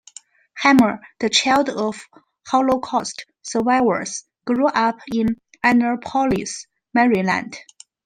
Hammer, the child of Holocaust survivors, grew up in Annapolis, Maryland.